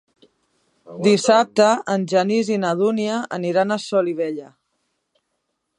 Dissabte en Genís i na Dúnia aniran a Solivella.